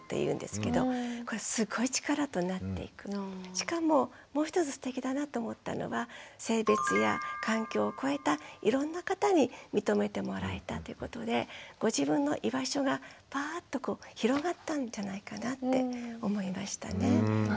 しかももう一つすてきだなと思ったのは性別や環境を超えたいろんな方に認めてもらえたということでご自分の居場所がパーッとこう広がったんじゃないかなって思いましたね。